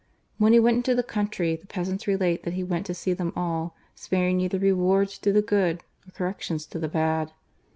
When he went into the country, the peasants relate that he went to see them all, sparing neither rewards to the good nor corrections to the bad.